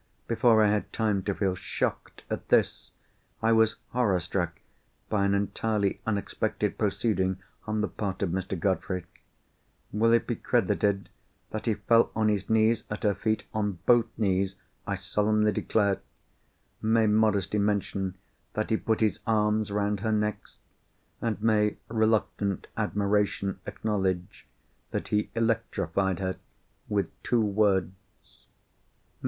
Before I had time to feel shocked, at this, I was horror struck by an entirely unexpected proceeding on the part of Mr. Godfrey. Will it be credited that he fell on his knees at her feet?—on both knees, I solemnly declare! May modesty mention that he put his arms round her next? And may reluctant admiration acknowledge that he electrified her with two words?